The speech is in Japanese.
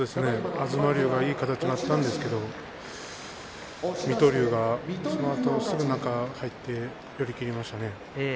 東龍いい形だったんですが水戸龍がすぐ中に入って寄り切りましたね。